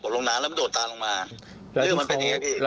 พี่ก็ต่อยพ่อผม